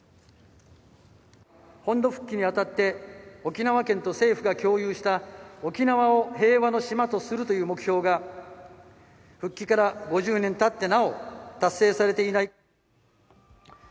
本土復帰に当たって沖縄県と政府が共有した沖縄を平和の島とするという目標が復帰から５０年たってなお達成されていない。